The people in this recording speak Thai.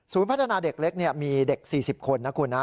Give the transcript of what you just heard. สวิบพัฒนาเด็กเล็กมีเด็ก๔๐คน